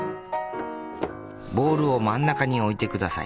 ボールを真ん中に置いてください。